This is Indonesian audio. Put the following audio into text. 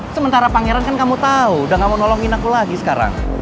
sementara pangeran kan kamu tahu udah gak mau nolongin aku lagi sekarang